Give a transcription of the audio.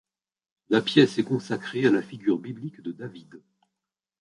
La pièce est consacrée à la figure biblique de David.